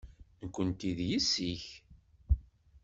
Nekkenti d yessi-k.